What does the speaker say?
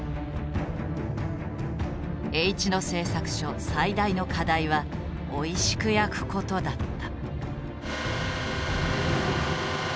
Ｈ野製作所最大の課題はおいしく焼くことだった。